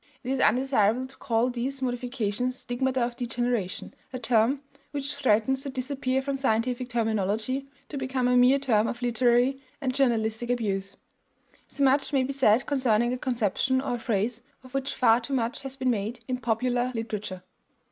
It is undesirable to call these modifications "stigmata of degeneration," a term which threatens to disappear from scientific terminology, to become a mere term of literary and journalistic abuse. So much may be said concerning a conception or a phrase of which far too much has been made in popular literature.